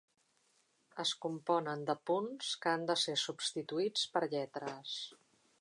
Es componen de punts que han de ser substituïts per lletres.